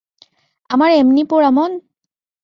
আমার এমনি পোড়া মন?